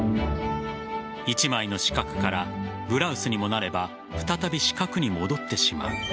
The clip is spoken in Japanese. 一枚の四角からブラウスにもなれば再び四角に戻ってしまう。